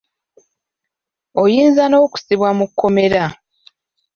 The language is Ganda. Oyinza n'okusibwa mu kkomrera.